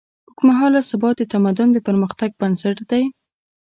اوږدمهاله ثبات د تمدن د پرمختګ بنسټ دی.